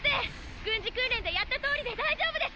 軍事訓練でやったとおりで大丈夫です！